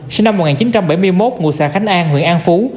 sinh năm một nghìn chín trăm bảy mươi một ngụ xã khánh an huyện an phú